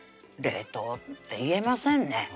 冷凍って言えませんね